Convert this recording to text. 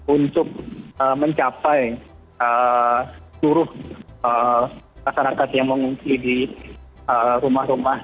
untuk mencapai seluruh masyarakat yang mengungsi di rumah rumah